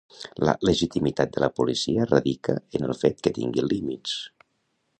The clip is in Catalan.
La legitimitat de la policia radica en el fet que tingui límits.